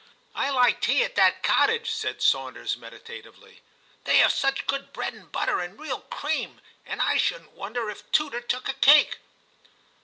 ' I like tea at that cottage/ said Sawnders meditatively. ' They have such good bread and butter, and real cream, and I shouldn't wonder if tutor took a cake.'